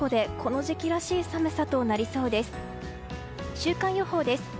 週間予報です。